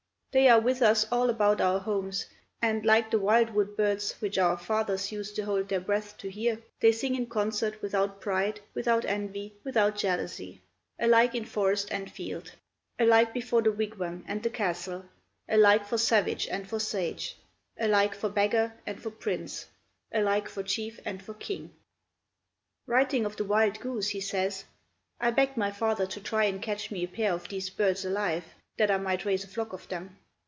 They are with us all about our homes and, like the wild wood birds which our fathers used to hold their breath to hear, they sing in concert, without pride, without envy, without jealousy alike in forest and field; alike before the wigwam and the castle; alike for savage and for sage; alike for beggar and for prince; alike for chief and for king." Writing of the wild goose, he says: "I begged my father to try and catch me a pair of these birds alive, that I might raise a flock of them.